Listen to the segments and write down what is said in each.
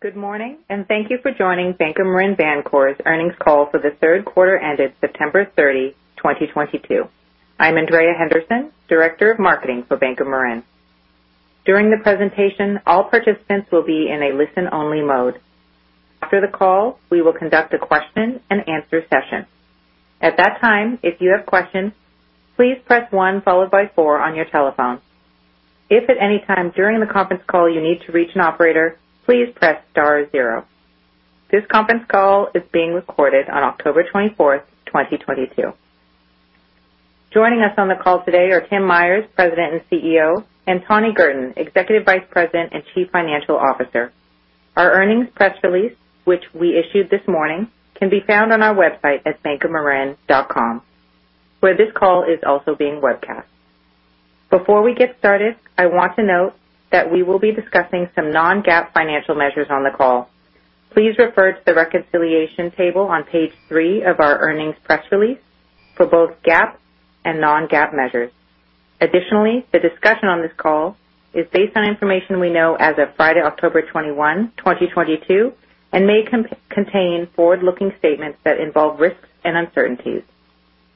Good morning, and thank you for joining Bank of Marin Bancorp's earnings call for the third quarter ended September 30, 2022. I'm Andrea Henderson, Director of Marketing for Bank of Marin. During the presentation, all participants will be in a listen-only mode. After the call, we will conduct a question and answer session. At that time, if you have questions, please press one followed by four on your telephone. If at any time during the conference call you need to reach an operator, please press star zero. This conference call is being recorded on October 24th, 2022. Joining us on the call today are Tim Myers, President and CEO, and Tani Girton, Executive Vice President and Chief Financial Officer. Our earnings press release, which we issued this morning, can be found on our website at bankofmarin.com, where this call is also being webcast. Before we get started, I want to note that we will be discussing some non-GAAP financial measures on the call. Please refer to the reconciliation table on page 3 of our earnings press release for both GAAP and non-GAAP measures. Additionally, the discussion on this call is based on information we know as of Friday, October 21, 2022, and may contain forward-looking statements that involve risks and uncertainties.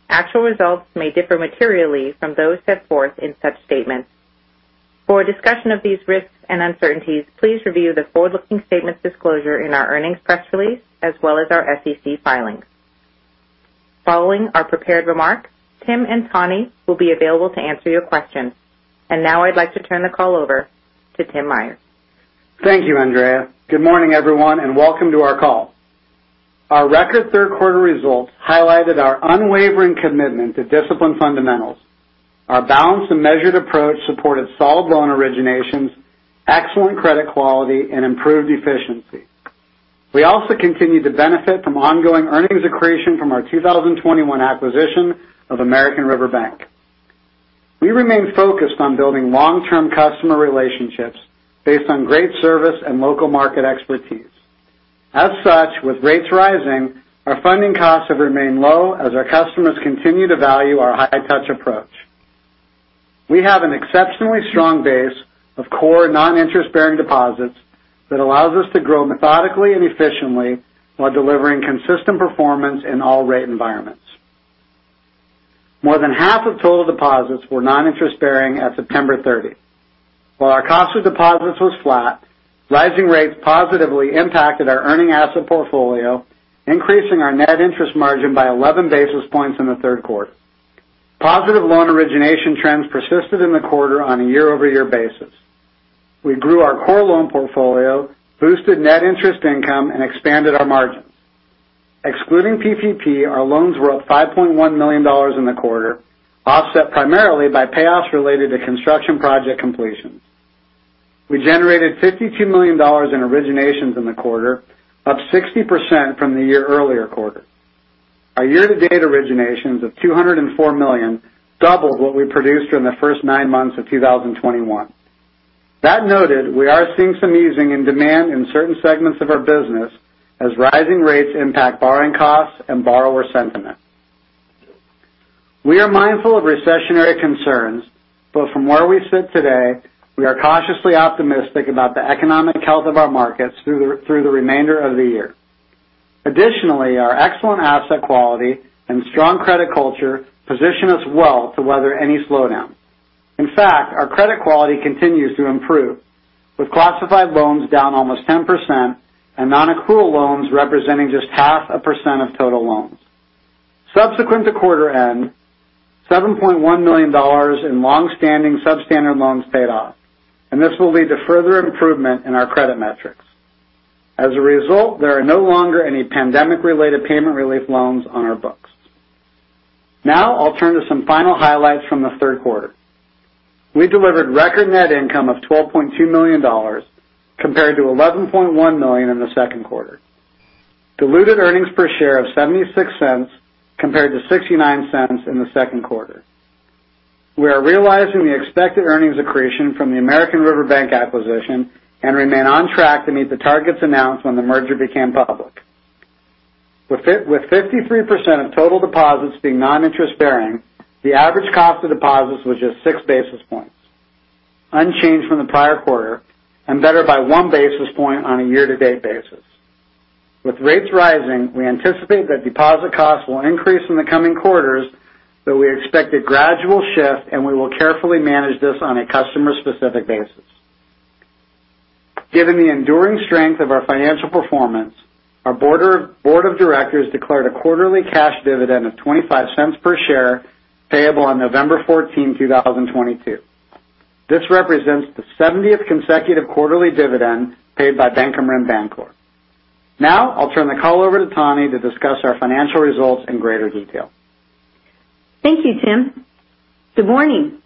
Actual results may differ materially from those set forth in such statements. For a discussion of these risks and uncertainties, please review the forward-looking statements disclosure in our earnings press release, as well as our SEC filings. Following our prepared remarks, Tim and Tani will be available to answer your questions. Now I'd like to turn the call over to Tim Myers. Thank you, Andrea. Good morning, everyone, and welcome to our call. Our record third quarter results highlighted our unwavering commitment to disciplined fundamentals. Our balanced and measured approach supported solid loan originations, excellent credit quality, and improved efficiency. We also continued to benefit from ongoing earnings accretion from our 2021 acquisition of American River Bank. We remain focused on building long-term customer relationships based on great service and local market expertise. As such, with rates rising, our funding costs have remained low as our customers continue to value our high touch approach. We have an exceptionally strong base of core non-interest-bearing deposits that allows us to grow methodically and efficiently while delivering consistent performance in all rate environments. More than half of total deposits were non-interest-bearing at September 30. While our cost of deposits was flat, rising rates positively impacted our earning asset portfolio, increasing our net interest margin by 11 basis points in the third quarter. Positive loan origination trends persisted in the quarter on a year-over-year basis. We grew our core loan portfolio, boosted net interest income, and expanded our margins. Excluding PPP, our loans were up $5.1 million in the quarter, offset primarily by payoffs related to construction project completions. We generated $52 million in originations in the quarter, up 60% from the year earlier quarter. Our year-to-date originations of $204 million doubled what we produced during the first nine months of 2021. That noted, we are seeing some easing in demand in certain segments of our business as rising rates impact borrowing costs and borrower sentiment. We are mindful of recessionary concerns, but from where we sit today, we are cautiously optimistic about the economic health of our markets through the remainder of the year. Additionally, our excellent asset quality and strong credit culture position us well to weather any slowdown. In fact, our credit quality continues to improve, with classified loans down almost 10% and nonaccrual loans representing just 0.5% of total loans. Subsequent to quarter end, $7.1 million in long-standing substandard loans paid off, and this will lead to further improvement in our credit metrics. As a result, there are no longer any pandemic-related payment relief loans on our books. Now I'll turn to some final highlights from the third quarter. We delivered record net income of $12.2 million compared to $11.1 million in the second quarter. Diluted earnings per share of $0.76 compared to $0.69 in the second quarter. We are realizing the expected earnings accretion from the American River Bank acquisition and remain on track to meet the targets announced when the merger became public. With 53% of total deposits being non-interest-bearing, the average cost of deposits was just 6 basis points, unchanged from the prior quarter and better by 1 basis point on a year-to-date basis. With rates rising, we anticipate that deposit costs will increase in the coming quarters, but we expect a gradual shift, and we will carefully manage this on a customer-specific basis. Given the enduring strength of our financial performance, our board of directors declared a quarterly cash dividend of $0.25 per share payable on November 14, 2022. This represents the 70th consecutive quarterly dividend paid by Bank of Marin Bancorp. Now, I'll turn the call over to Tani to discuss our financial results in greater detail. Thank you, Tim. Good morning.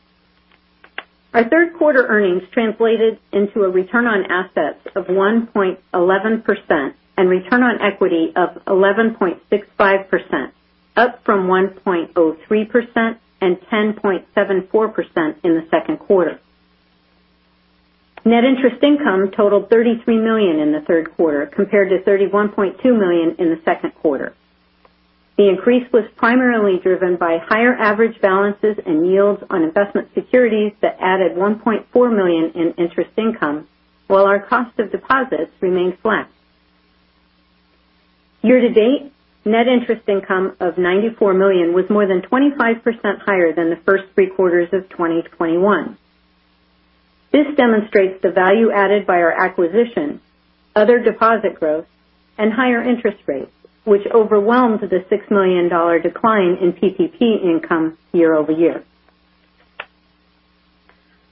Our third quarter earnings translated into a return on assets of 1.11% and return on equity of 11.65%, up from 1.03% and 10.74% in the second quarter. Net interest income totaled $33 million in the third quarter compared to $31.2 million in the second quarter. The increase was primarily driven by higher average balances and yields on investment securities that added $1.4 million in interest income, while our cost of deposits remained flat. Year to date, net interest income of $94 million was more than 25% higher than the first three quarters of 2021. This demonstrates the value added by our acquisition, other deposit growth and higher interest rates, which overwhelmed the $6 million decline in PPP income year over year.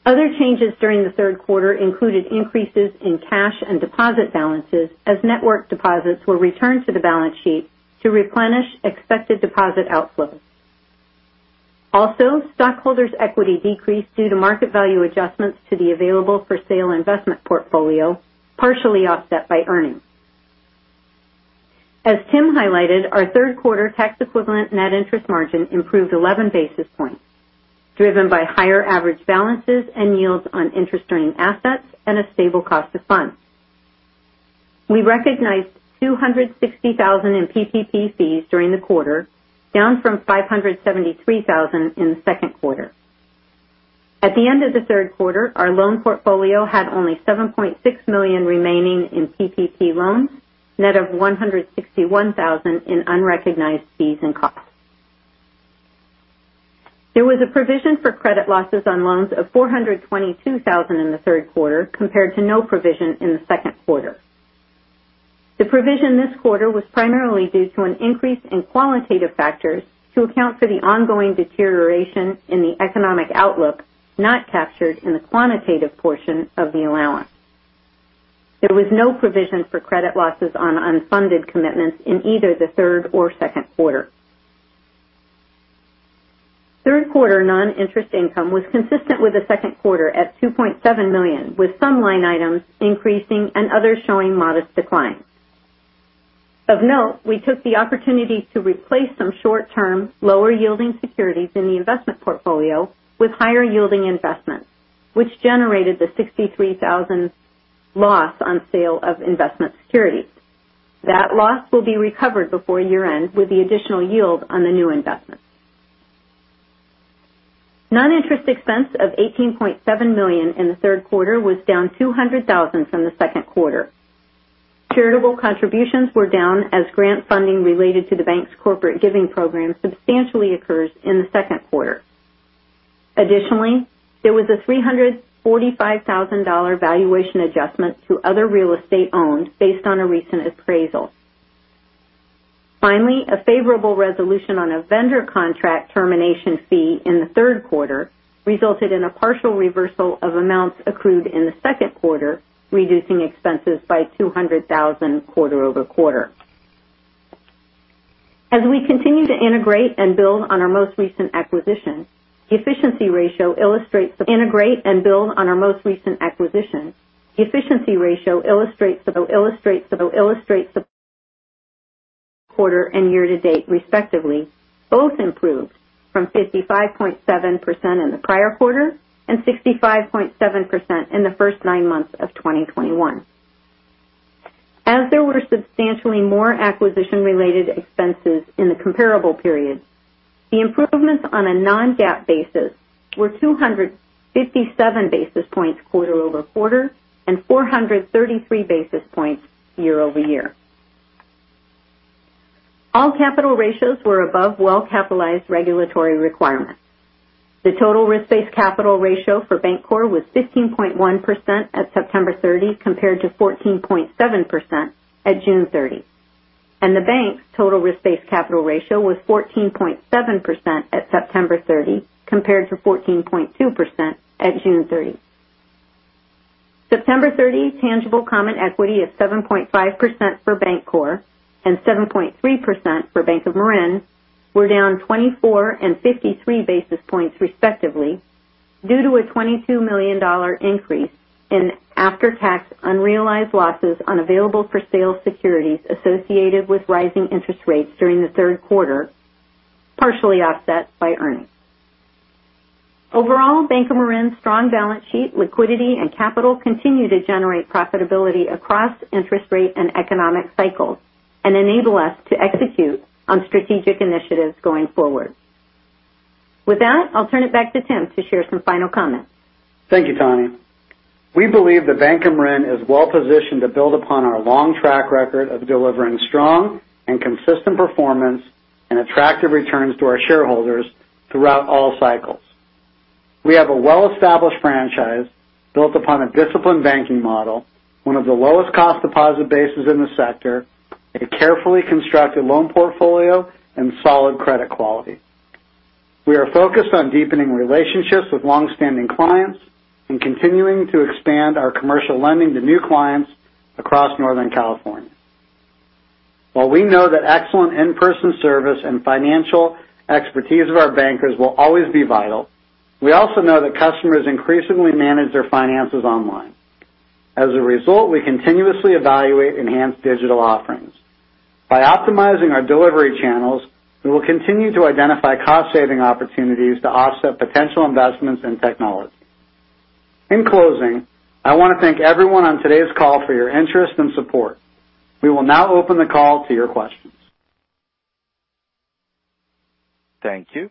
Other changes during the third quarter included increases in cash and deposit balances as network deposits were returned to the balance sheet to replenish expected deposit outflows. Stockholders equity decreased due to market value adjustments to the available for sale investment portfolio, partially offset by earnings. As Tim highlighted, our third quarter tax equivalent net interest margin improved 11 basis points, driven by higher average balances and yields on interest earning assets and a stable cost of funds. We recognized $260,000 in PPP fees during the quarter, down from $573,000 in the second quarter. At the end of the third quarter, our loan portfolio had only $7.6 million remaining in PPP loans, net of $161,000 in unrecognized fees and costs. There was a provision for credit losses on loans of $422,000 in the third quarter compared to no provision in the second quarter. The provision this quarter was primarily due to an increase in qualitative factors to account for the ongoing deterioration in the economic outlook not captured in the quantitative portion of the allowance. There was no provision for credit losses on unfunded commitments in either the third or second quarter. Third quarter non-interest income was consistent with the second quarter at $2.7 million, with some line items increasing and others showing modest declines. Of note, we took the opportunity to replace some short term, lower yielding securities in the investment portfolio with higher yielding investments, which generated the $63,000 loss on sale of investment securities. That loss will be recovered before year end with the additional yield on the new investments. Non-interest expense of $18.7 million in the third quarter was down $200,000 from the second quarter. Charitable contributions were down as grant funding related to the bank's corporate giving program substantially occurs in the second quarter. Additionally, there was a $345,000 valuation adjustment to other real estate owned based on a recent appraisal. Finally, a favorable resolution on a vendor contract termination fee in the third quarter resulted in a partial reversal of amounts accrued in the second quarter, reducing expenses by $200,000 quarter-over-quarter. As we continue to integrate and build on our most recent acquisition, the efficiency ratio illustrates the quarter and year to date, respectively, both improved from 55.7% in the prior quarter and 65.7% in the first nine months of 2021. As there were substantially more acquisition related expenses in the comparable period, the improvements on a non-GAAP basis were 257 basis points quarter-over-quarter and 433 basis points year-over-year. All capital ratios were above well-capitalized regulatory requirements. The total risk-based capital ratio for Bancorp was 15.1% at September 30 compared to 14.7% at June 30, and the bank's total risk-based capital ratio was 14.7% at September 30 compared to 14.2% at June 30. September 30 tangible common equity of 7.5% for Bancorp and 7.3% for Bank of Marin were down 24 and 53 basis points, respectively, due to a $22 million increase in after-tax unrealized losses on available for sale securities associated with rising interest rates during the third quarter, partially offset by earnings. Overall, Bank of Marin's strong balance sheet liquidity and capital continue to generate profitability across interest rate and economic cycles and enable us to execute on strategic initiatives going forward. With that, I'll turn it back to Tim to share some final comments. Thank you, Tani. We believe that Bank of Marin is well positioned to build upon our long track record of delivering strong and consistent performance and attractive returns to our shareholders throughout all cycles. We have a well-established franchise built upon a disciplined banking model, one of the lowest cost deposit bases in the sector, a carefully constructed loan portfolio and solid credit quality. We are focused on deepening relationships with long-standing clients and continuing to expand our commercial lending to new clients across Northern California. While we know that excellent in-person service and financial expertise of our bankers will always be vital, we also know that customers increasingly manage their finances online. As a result, we continuously evaluate enhanced digital offerings. By optimizing our delivery channels, we will continue to identify cost saving opportunities to offset potential investments in technology. In closing, I want to thank everyone on today's call for your interest and support. We will now open the call to your questions. Thank you.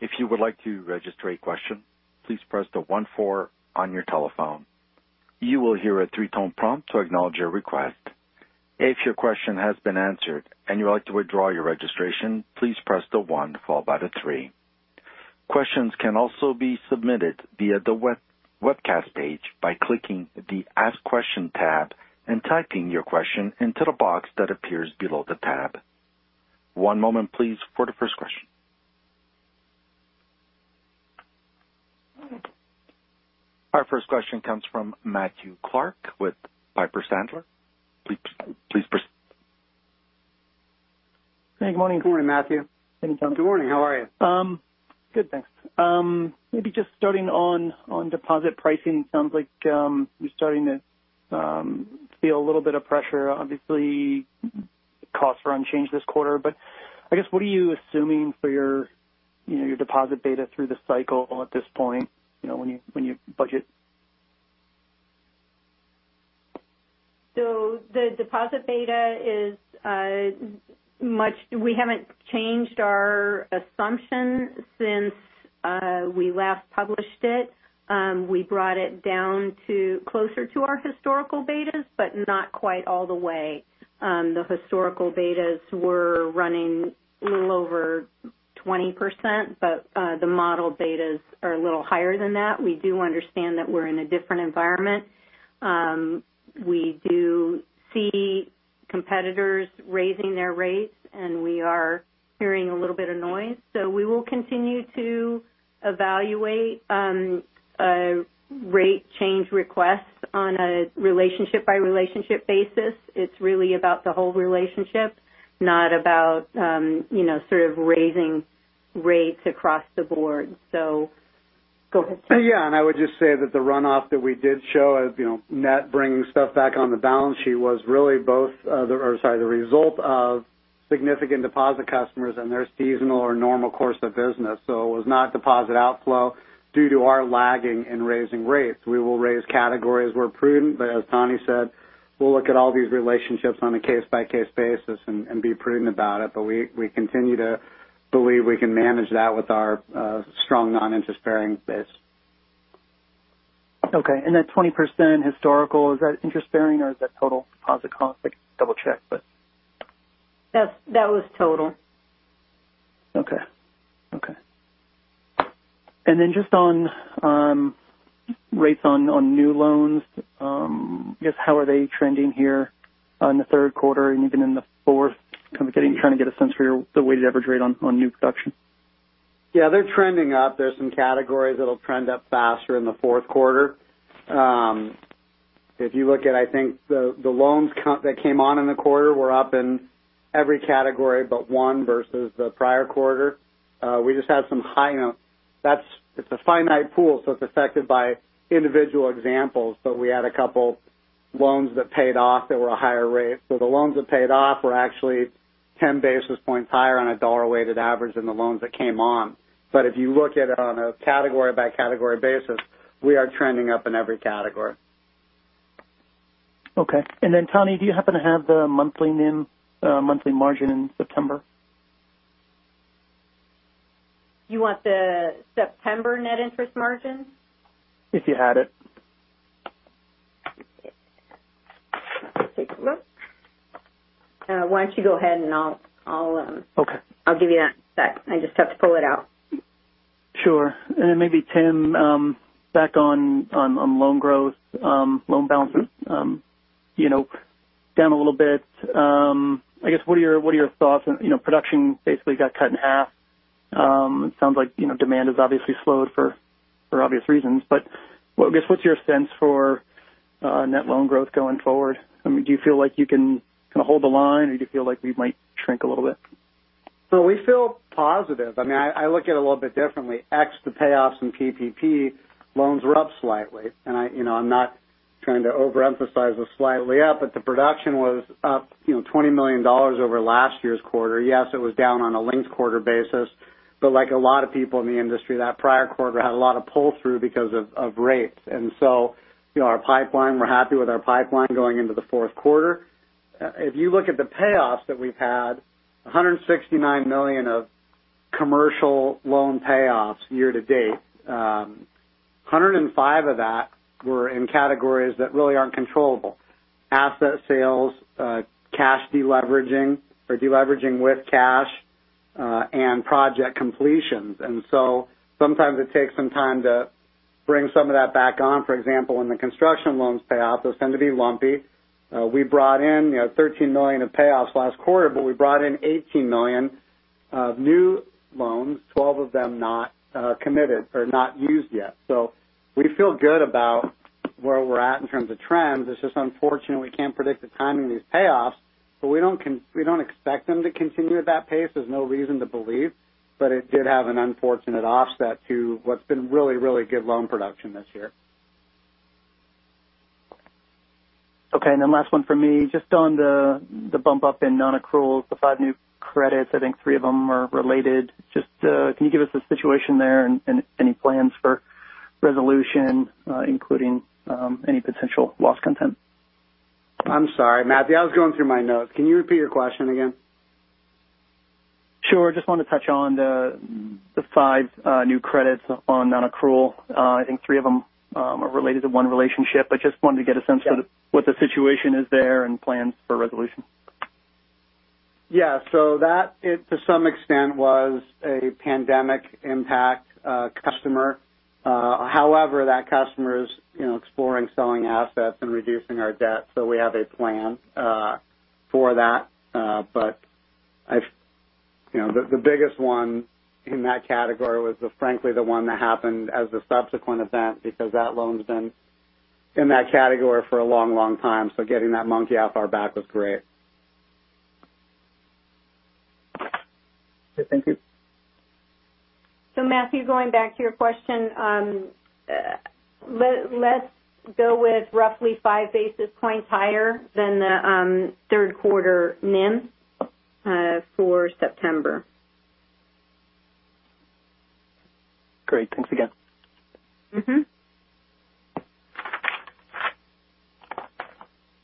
If you would like to register a question, please press the one four on your telephone. You will hear a three-tone prompt to acknowledge your request. If your question has been answered and you'd like to withdraw your registration, please press the one followed by the three. Questions can also be submitted via the webcast page by clicking the Ask Question tab and typing your question into the box that appears below the tab. One moment please for the first question. Our first question comes from Matthew Clark with Piper Sandler. Please press... Good morning. Good morning, Matthew. Good morning. How are you? Good, thanks. Maybe just starting on deposit pricing, sounds like you're starting to feel a little bit of pressure. Obviously, costs were unchanged this quarter, but I guess what are you assuming for your, you know, your deposit beta through the cycle at this point, you know, when you budget? The deposit beta is. We haven't changed our assumption since we last published it. We brought it down to closer to our historical betas, but not quite all the way. The historical betas were running a little over 20%, but the model betas are a little higher than that. We do understand that we're in a different environment. We do see competitors raising their rates, and we are hearing a little bit of noise. We will continue to evaluate rate change requests on a relationship by relationship basis. It's really about the whole relationship, not about, you know, sort of raising rates across the board. Go ahead. Yeah. I would just say that the runoff that we did show as, you know, net bringing stuff back on the balance sheet was really the result of significant deposit customers and their seasonal or normal course of business. It was not deposit outflow due to our lagging in raising rates. We will raise categories where prudent, but as Tani said, we'll look at all these relationships on a case-by-case basis and be prudent about it. We continue to believe we can manage that with our strong noninterest-bearing base. That 20% historical, is that interest bearing or is that total deposit cost? I can double-check, but. Yes, that was total. Okay. Then just on rates on new loans, I guess how are they trending here in the third quarter and even in the fourth? Trying to get a sense for the weighted average rate on new production. Yeah, they're trending up. There's some categories that'll trend up faster in the fourth quarter. If you look at, I think the loans count that came on in the quarter were up in every category, but one versus the prior quarter. We just had some high notes. It's a finite pool, so it's affected by individual examples. We had a couple loans that paid off that were a higher rate. The loans that paid off were actually 10 basis points higher on a dollar weighted average than the loans that came on. If you look at it on a category by category basis, we are trending up in every category. Okay. Tani, do you happen to have the monthly NIM, monthly margin in September? You want the September net interest margin? If you had it. Take a look. Why don't you go ahead and I'll Okay. I'll give you that in a sec. I just have to pull it out. Sure. Maybe, Tim, back on loan growth, loan balances, you know, down a little bit. I guess what are your thoughts on, you know, production basically got cut in half. It sounds like, you know, demand has obviously slowed for obvious reasons. What, I guess, what's your sense for net loan growth going forward? I mean, do you feel like you can kind of hold the line, or do you feel like we might shrink a little bit? We feel positive. I mean, I look at it a little bit differently. Yeah, the payoffs in PPP loans were up slightly. You know, I'm not trying to overemphasize the slightly up, but the production was up, you know, $20 million over last year's quarter. Yes, it was down on a linked quarter basis, but like a lot of people in the industry, that prior quarter had a lot of pull-through because of rates. You know, our pipeline, we're happy with our pipeline going into the fourth quarter. If you look at the payoffs that we've had, $169 million of commercial loan payoffs year to date, $105 million of that were in categories that really aren't controllable. Asset sales, cash deleveraging or deleveraging with cash, and project completions. Sometimes it takes some time to bring some of that back on. For example, when the construction loans pay off, those tend to be lumpy. We brought in, you know, $13 million of payoffs last quarter, but we brought in $18 million of new loans, 12 of them not committed or not used yet. We feel good about where we're at in terms of trends. It's just unfortunately, we can't predict the timing of these payoffs, but we don't expect them to continue at that pace. There's no reason to believe, but it did have an unfortunate offset to what's been really, really good loan production this year. Last one for me. Just on the bump up in nonaccruals, the 5 new credits, I think 3 of them are related. Just can you give us a situation there and any plans for resolution, including any potential loss content? I'm sorry, Matthew. I was going through my notes. Can you repeat your question again? Sure. Just wanted to touch on the five new credits on non-accrual. I think three of them are related to one relationship. I just wanted to get a sense of. Yeah. What the situation is there and plans for resolution? Yeah. That is to some extent was a pandemic impact, customer. However, that customer is, you know, exploring selling assets and reducing our debt, so we have a plan for that. But you know, the biggest one in that category was, frankly, the one that happened as a subsequent event because that loan's been in that category for a long, long time. Getting that monkey off our back was great. Thank you. Matthew, going back to your question, let's go with roughly five basis points higher than the third quarter NIM for September. Great. Thanks again. Mm-hmm.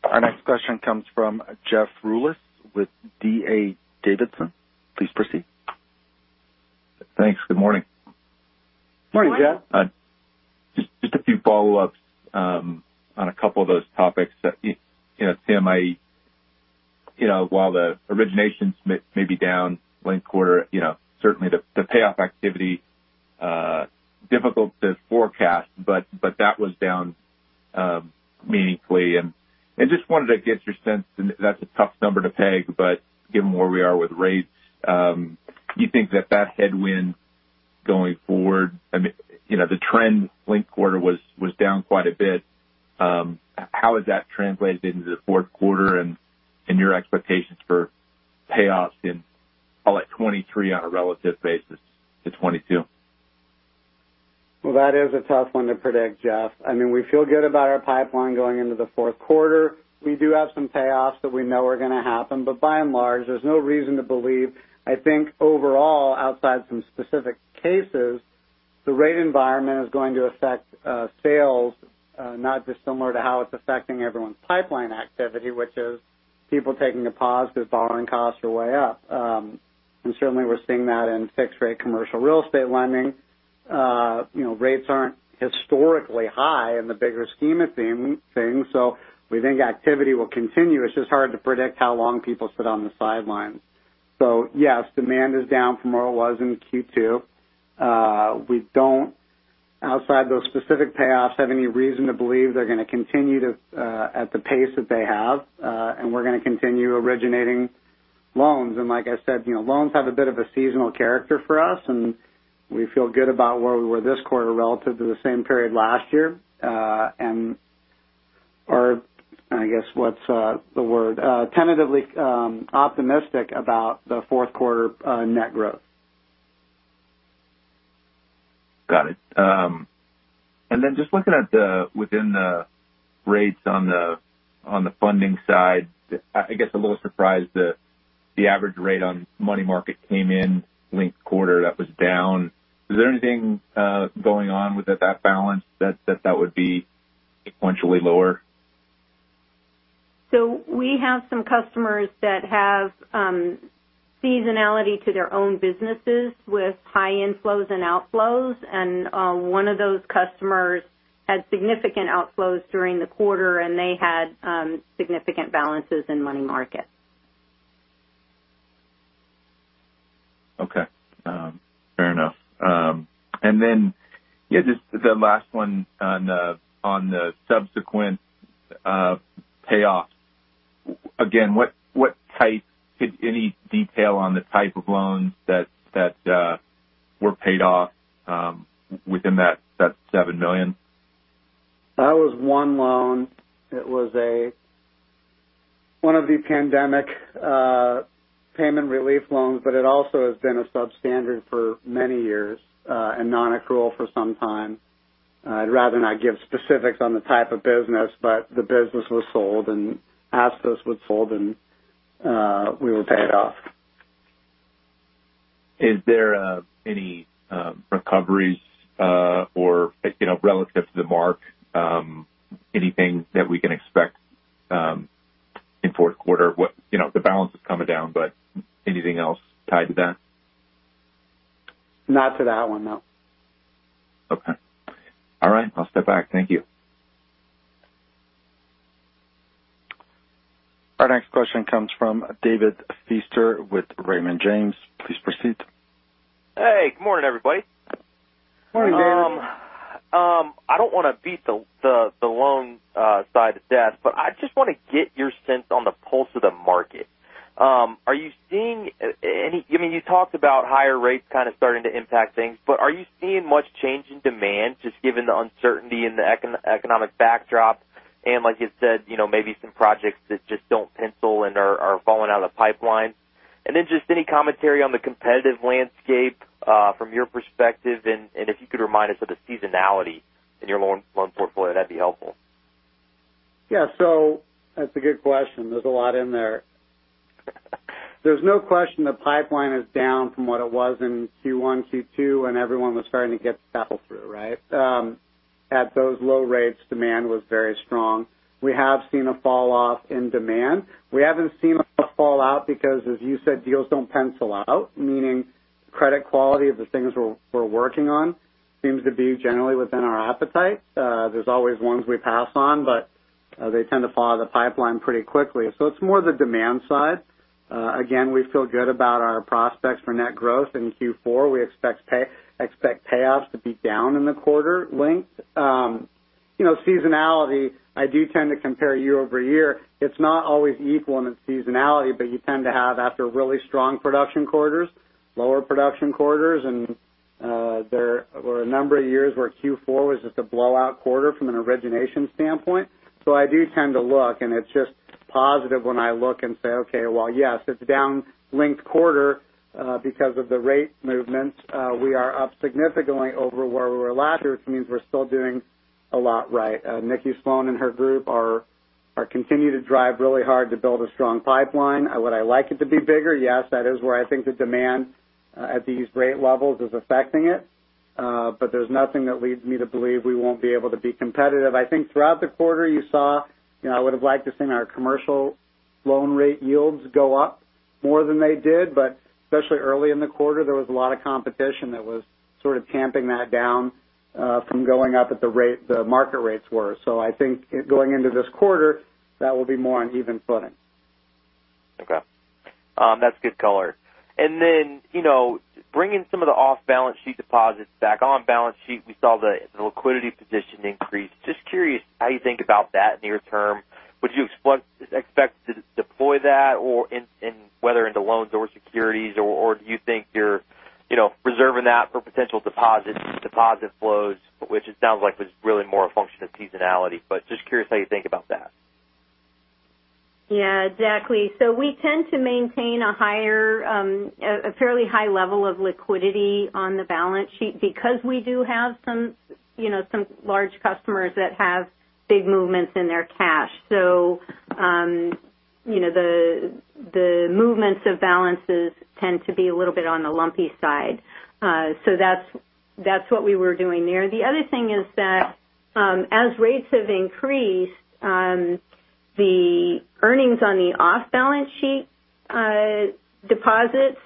Our next question comes from Jeff Rulis with D.A. Davidson. Please proceed. Thanks. Good morning. Morning, Jeff. Hi. Just a few follow-ups on a couple of those topics. You know, Tim. You know, while the originations may be down linked quarter, you know, certainly the payoff activity difficult to forecast, but that was down meaningfully. Just wanted to get your sense, and that's a tough number to peg, but given where we are with rates, do you think that that's headwind going forward? I mean, you know, the trend linked quarter was down quite a bit. How has that translated into the fourth quarter and your expectations for payoffs in, call it, 2023 on a relative basis to 2022? Well, that is a tough one to predict, Jeff. I mean, we feel good about our pipeline going into the fourth quarter. We do have some payoffs that we know are gonna happen, but by and large, there's no reason to believe. I think overall, outside some specific cases, the rate environment is going to affect sales, not dissimilar to how it's affecting everyone's pipeline activity, which is people taking a pause because borrowing costs are way up. Certainly we're seeing that in fixed rate commercial real estate lending. You know, rates aren't historically high in the bigger scheme of things, so we think activity will continue. It's just hard to predict how long people sit on the sidelines. Yes, demand is down from where it was in Q2. We don't, outside those specific payoffs, have any reason to believe they're gonna continue to at the pace that they have, and we're gonna continue originating loans. Like I said, you know, loans have a bit of a seasonal character for us, and we feel good about where we were this quarter relative to the same period last year, and are, I guess, what's the word? Tentatively optimistic about the fourth quarter net growth. Got it. Just looking at the rates on the funding side, I guess a little surprised that the average rate on money market came in linked quarter. That was down. Is there anything going on with that balance that would be sequentially lower? We have some customers that have seasonality to their own businesses with high inflows and outflows. One of those customers had significant outflows during the quarter, and they had significant balances in money market. Okay. Fair enough. Yeah, just the last one on the subsequent payoffs. Again, any detail on the type of loans that were paid off within that $7 million? That was one loan. It was one of the pandemic payment relief loans, but it also has been substandard for many years, and non-accrual for some time. I'd rather not give specifics on the type of business, but the business was sold and assets was sold, and we were paid off. Is there any recoveries or, you know, relative to the mark, anything that we can expect in fourth quarter? You know, the balance is coming down, but anything else tied to that? Not to that one, no. Okay. All right. I'll step back. Thank you. Our next question comes from David Feaster with Raymond James. Please proceed. Hey, good morning, everybody. Morning, David. I don't want to beat the loan side to death, but I just want to get your sense on the pulse of the market. Are you seeing any? I mean, you talked about higher rates kind of starting to impact things, but are you seeing much change in demand just given the uncertainty in the economic backdrop? Like you said, you know, maybe some projects that just don't pencil and are falling out of the pipeline. Then just any commentary on the competitive landscape from your perspective. If you could remind us of the seasonality in your loan portfolio, that'd be helpful. Yeah. That's a good question. There's a lot in there. There's no question the pipeline is down from what it was in Q1, Q2, when everyone was starting to get settled through, right? At those low rates demand was very strong. We have seen a falloff in demand. We haven't seen a fallout because as you said, deals don't pencil out, meaning credit quality of the things we're working on seems to be generally within our appetite. There's always ones we pass on, but they tend to follow the pipeline pretty quickly. It's more the demand side. Again, we feel good about our prospects for net growth in Q4. We expect payoffs to be down in the quarter. Lending, you know, seasonality. I do tend to compare year-over-year. It's not always equal in its seasonality, but you tend to have after really strong production quarters, lower production quarters. There were a number of years where Q4 was just a blowout quarter from an origination standpoint. I do tend to look, and it's just positive when I look and say, okay, well, yes, it's down linked quarter, because of the rate movements. We are up significantly over where we were last year. It means we're still doing a lot right. Nikki Sloan and her group are continue to drive really hard to build a strong pipeline. Would I like it to be bigger? Yes. That is where I think the demand at these rate levels is affecting it. There's nothing that leads me to believe we won't be able to be competitive. I think throughout the quarter you saw, you know, I would've liked to seen our commercial loan rate yields go up more than they did, but especially early in the quarter, there was a lot of competition that was sort of tamping that down from going up at the rate the market rates were. I think going into this quarter, that will be more on even footing. Okay. That's good color. Then, you know, bringing some of the off balance sheet deposits back on balance sheet, we saw the liquidity position increase. Just curious how you think about that near term. Would you expect to deploy that or invest in, whether into loans or securities or do you think you're, you know, preserving that for potential deposits, deposit flows, which it sounds like was really more a function of seasonality, but just curious how you think about that. Yeah, exactly. We tend to maintain a higher fairly high level of liquidity on the balance sheet because we do have some, you know, some large customers that have big movements in their cash. You know, the movements of balances tend to be a little bit on the lumpy side. That's what we were doing there. The other thing is that as rates have increased, the earnings on the off balance sheet deposits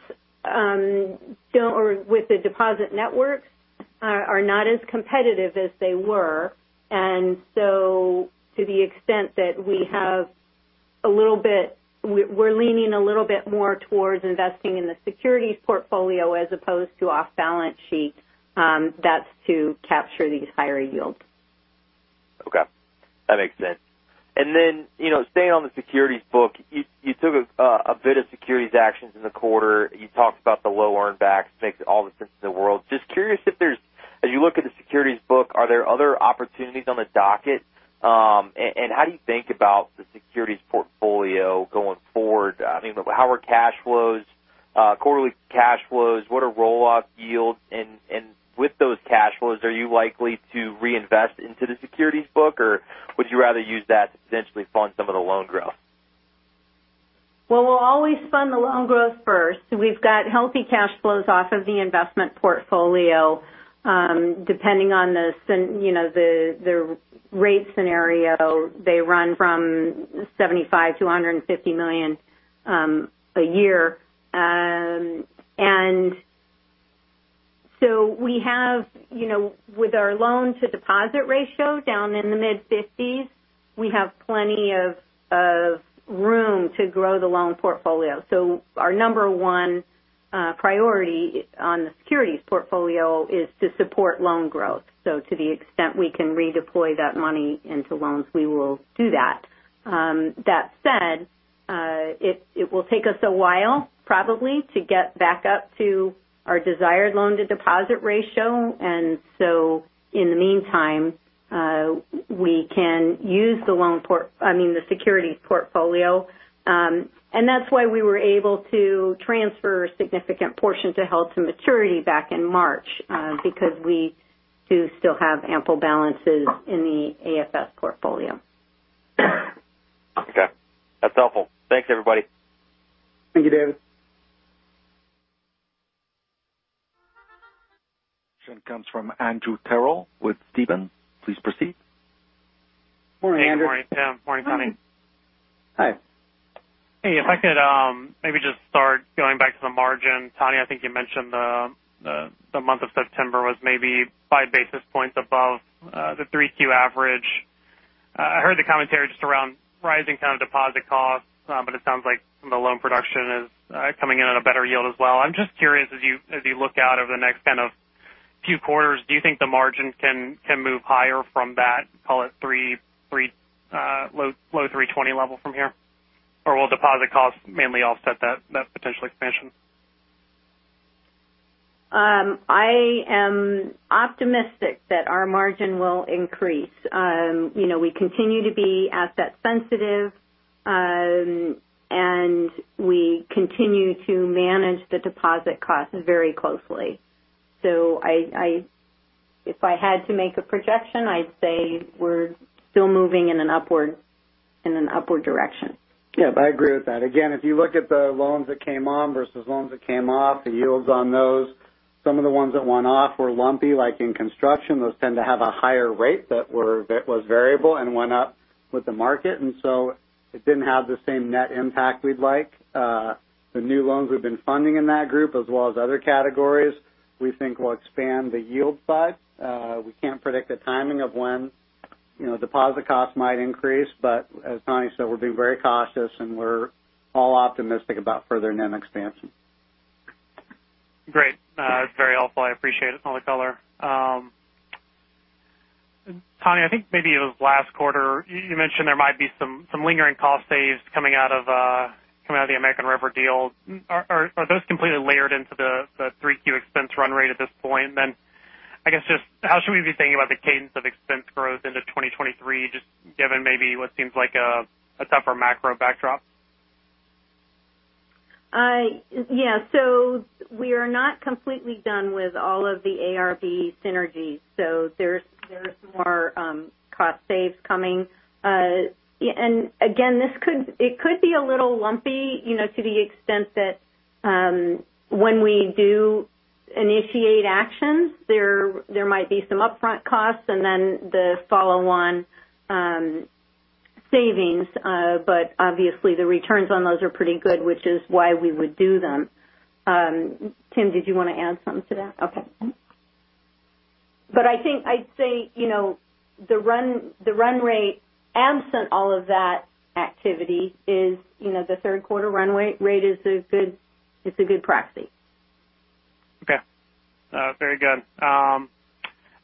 or with the deposit networks are not as competitive as they were. To the extent that we have a little bit we're leaning a little bit more towards investing in the securities portfolio as opposed to off balance sheet, that's to capture these higher yields. Okay, that makes sense. You know, staying on the securities book, you took a bit of securities actions in the quarter. You talked about the low earn backs, makes all the sense in the world. Just curious if there's. As you look at the securities book, are there other opportunities on the docket? How do you think about the securities portfolio going forward? I mean, how are cash flows, quarterly cash flows? What are roll-off yields? With those cash flows, are you likely to reinvest into the securities book, or would you rather use that to potentially fund some of the loan growth? Well, we'll always fund the loan growth first. We've got healthy cash flows off of the investment portfolio. Depending on the you know, the rate scenario, they run from $75 million-$150 million a year. We have, you know, with our loan to deposit ratio down in the mid-50%, we have plenty of room to grow the loan portfolio. Our number one priority on the securities portfolio is to support loan growth. To the extent we can redeploy that money into loans, we will do that. That said, it will take us a while probably to get back up to our desired loan to deposit ratio. In the meantime, we can use, I mean, the securities portfolio. That's why we were able to transfer a significant portion to held to maturity back in March, because we do still have ample balances in the AFS portfolio. Okay. That's helpful. Thanks, everybody. Thank you, David. Question comes from Andrew Terrell with Stephens. Please proceed. Morning, Andrew. Hey, good morning, Tim. Morning, Tani. Hi. Hey, if I could, maybe just start going back to the margin. Tani Girton, I think you mentioned the month of September was maybe 5 basis points above the 3Q average. I heard the commentary just around rising kind of deposit costs, but it sounds like the loan production is coming in at a better yield as well. I'm just curious, as you look out over the next kind of few quarters, do you think the margin can move higher from that, call it low 3.20% level from here? Or will deposit costs mainly offset that potential expansion? I am optimistic that our margin will increase. You know, we continue to be asset sensitive, and we continue to manage the deposit costs very closely. If I had to make a projection, I'd say we're still moving in an upward direction. Yeah, I agree with that. Again, if you look at the loans that came on versus loans that came off, the yields on those, some of the ones that went off were lumpy, like in construction. Those tend to have a higher rate that was variable and went up with the market. It didn't have the same net impact we'd like. The new loans we've been funding in that group as well as other categories, we think will expand the yield side. We can't predict the timing of when, you know, deposit costs might increase, but as Tani said, we're being very cautious, and we're all optimistic about further NIM expansion. Great. Very helpful. I appreciate it. All the color. Tani, I think maybe it was last quarter you mentioned there might be some lingering cost savings coming out of the American River deal. Are those completely layered into the 3Q expense run rate at this point? I guess just how should we be thinking about the cadence of expense growth into 2023, just given maybe what seems like a tougher macro backdrop? Yeah. We are not completely done with all of the ARB synergies, so there's more cost savings coming. Yeah. Again, it could be a little lumpy, you know, to the extent that when we do initiate actions, there might be some upfront costs and then the follow-on savings. Obviously the returns on those are pretty good, which is why we would do them. Tim, did you want to add something to that? Okay. I think I'd say, you know, the run rate absent all of that activity is, you know, the third quarter run rate. It's a good proxy. Okay. Very good.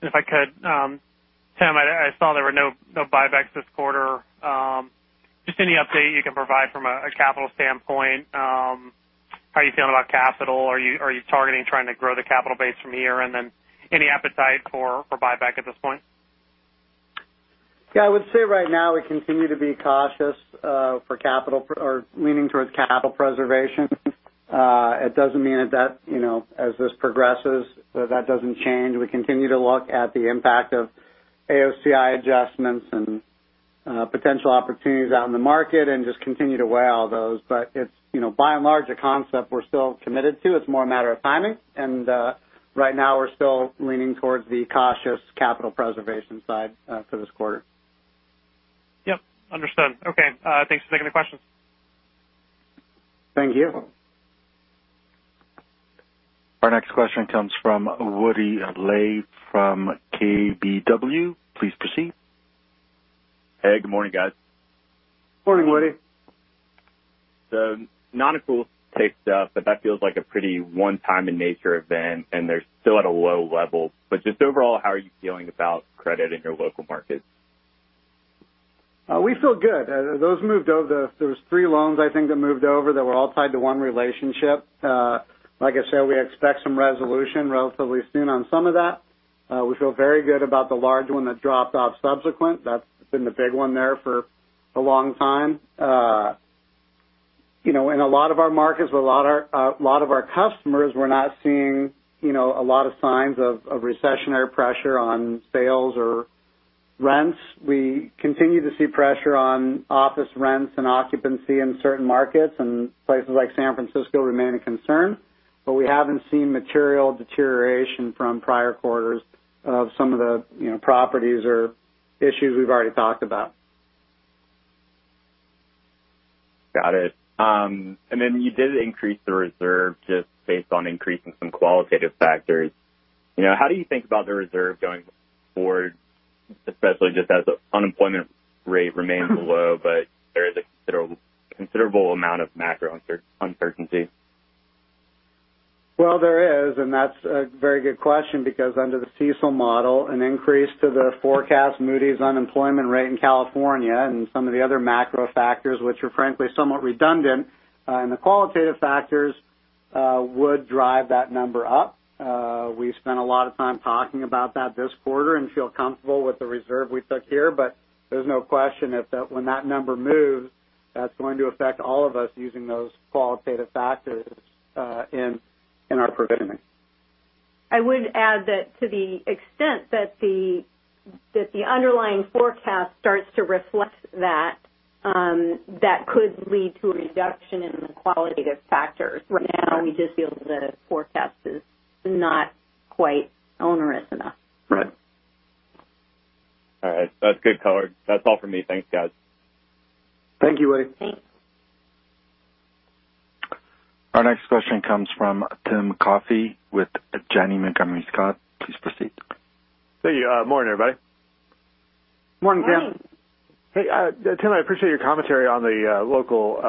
If I could, Tim, I saw there were no buybacks this quarter. Just any update you can provide from a capital standpoint. How are you feeling about capital? Are you targeting trying to grow the capital base from here? Any appetite for buyback at this point? Yeah, I would say right now we continue to be cautious for capital or leaning towards capital preservation. It doesn't mean that you know as this progresses that doesn't change. We continue to look at the impact of AOCI adjustments and potential opportunities out in the market and just continue to weigh all those. But it's you know by and large a concept we're still committed to. It's more a matter of timing. Right now we're still leaning towards the cautious capital preservation side for this quarter. Yep, understood. Okay. Thanks for taking the questions. Thank you. Our next question comes from Woody Lay from KBW. Please proceed. Hey, good morning, guys. Morning, Woody. The nonaccrual take up, but that feels like a pretty one-time in nature event, and they're still at a low level. Just overall, how are you feeling about credit in your local markets? We feel good. There was three loans I think that moved over that were all tied to one relationship. Like I said, we expect some resolution relatively soon on some of that. We feel very good about the large one that dropped off subsequent. That's been the big one there for a long time. You know, in a lot of our markets, a lot of our customers were not seeing, you know, a lot of signs of recessionary pressure on sales or rents. We continue to see pressure on office rents and occupancy in certain markets, and places like San Francisco remain a concern. We haven't seen material deterioration from prior quarters of some of the, you know, properties or issues we've already talked about. Got it. You did increase the reserve just based on increasing some qualitative factors. You know, how do you think about the reserve going forward, especially just as the unemployment rate remains low, but there is a considerable amount of macro uncertainty? Well, there is, and that's a very good question because under the CECL model, an increase to the forecast, Moody's unemployment rate in California and some of the other macro factors, which are frankly somewhat redundant, and the qualitative factors, would drive that number up. We spent a lot of time talking about that this quarter and feel comfortable with the reserve we took here. There's no question when that number moves, that's going to affect all of us using those qualitative factors, in our provisioning. I would add that to the extent that the underlying forecast starts to reflect that could lead to a reduction in the qualitative factors. Right now, we just feel that the forecast is not quite onerous enough. Right. All right. That's good color. That's all for me. Thanks, guys. Thank you, Woody. Our next question comes from Tim Coffey with Janney Montgomery Scott. Please proceed. Hey. Morning, everybody. Morning, Tim. Morning. Hey, Tim, I appreciate your commentary on the local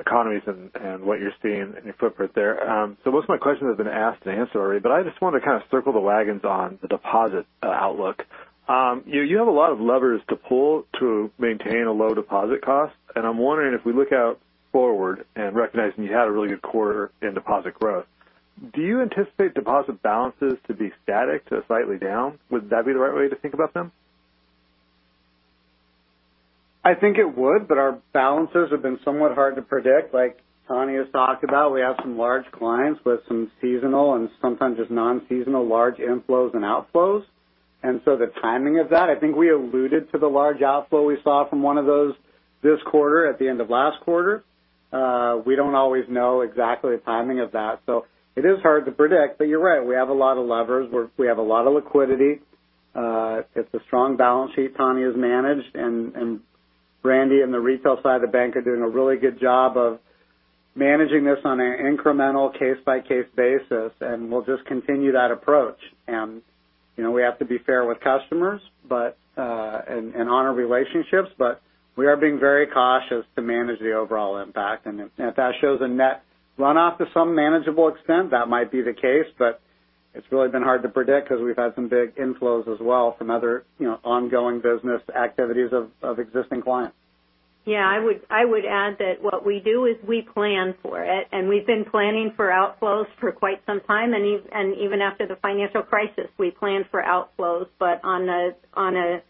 economies and what you're seeing in your footprint there. Most of my question has been asked and answered already, but I just wanted to kind of circle the wagons on the deposit outlook. You have a lot of levers to pull to maintain a low deposit cost. I'm wondering if we look forward and recognizing you had a really good quarter in deposit growth, do you anticipate deposit balances to be static to slightly down? Would that be the right way to think about them? I think it would, but our balances have been somewhat hard to predict. Like Tani's talked about, we have some large clients with some seasonal and sometimes just non-seasonal large inflows and outflows. The timing of that, I think we alluded to the large outflow we saw from one of those this quarter at the end of last quarter. We don't always know exactly the timing of that, so it is hard to predict. You're right, we have a lot of levers. We have a lot of liquidity. It's a strong balance sheet Tani's managed, and Randy and the retail side of the bank are doing a really good job of managing this on an incremental case-by-case basis, and we'll just continue that approach. you know, we have to be fair with customers, but and honor relationships, but we are being very cautious to manage the overall impact. If that shows a net runoff to some manageable extent, that might be the case. It's really been hard to predict because we've had some big inflows as well from other, you know, ongoing business activities of existing clients. Yeah. I would add that what we do is we plan for it, and we've been planning for outflows for quite some time. Even after the financial crisis, we planned for outflows. On a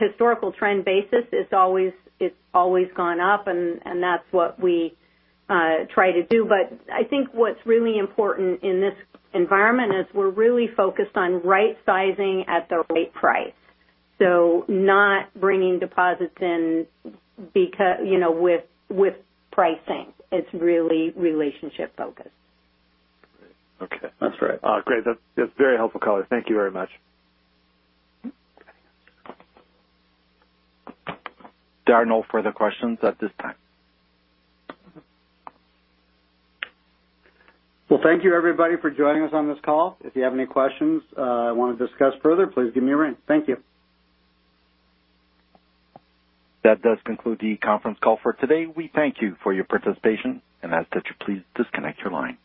historical trend basis, it's always gone up and that's what we try to do. I think what's really important in this environment is we're really focused on right sizing at the right price. Not bringing deposits in because you know, with pricing. It's really relationship focused. Great. Okay. That's right. Great. That's a very helpful color. Thank you very much. There are no further questions at this time. Well, thank you, everybody, for joining us on this call. If you have any questions, you want to discuss further, please give me a ring. Thank you. That does conclude the conference call for today. We thank you for your participation. As such, please disconnect your line.